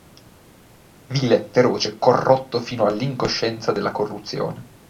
Vile, feroce, corrotto fino all'incoscienza della corruzione.